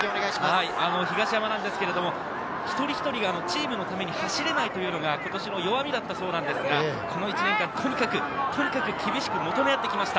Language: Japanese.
一人一人がチームのために走れないというのが今年の弱みだったそうですが、この１年間、とにかく厳しく求め合ってきました。